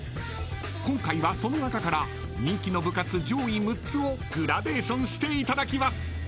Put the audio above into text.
［今回はその中から人気の部活上位６つをグラデーションしていただきます］